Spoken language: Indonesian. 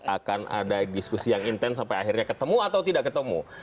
akan ada diskusi yang intens sampai akhirnya ketemu atau tidak ketemu